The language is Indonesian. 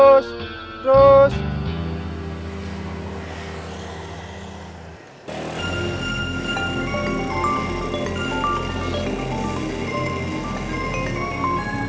terus terus terus terus terus